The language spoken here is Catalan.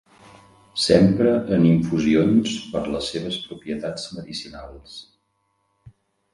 S'empra en infusions per les seves propietats medicinals.